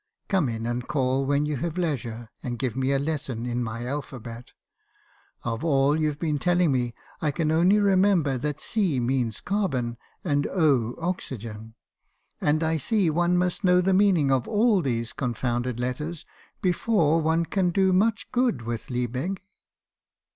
Come in and call when you have leisure, and give me a lesson in my alphabet. Of all you've been telling me I can only remember that C means carbon and oxygen; and I see one must know the meaning of all these confounded letters before one can do much good with Liebig.'